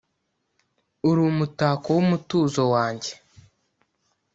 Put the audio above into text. Uri umutako w’umutuzo wanjye